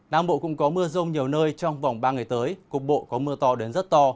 nam bộ cũng có mưa rông nhiều nơi trong vòng ba ngày tới cục bộ có mưa to đến rất to